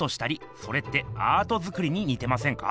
それってアート作りににてませんか？